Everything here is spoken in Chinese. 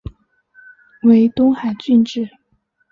为东海郡治。